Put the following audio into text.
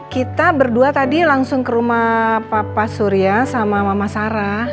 kita berdua tadi langsung ke rumah papa surya sama mama sarah